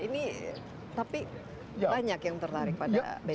ini tapi banyak yang tertarik pada bela diri